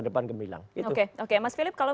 depan gemilang oke mas philip kalau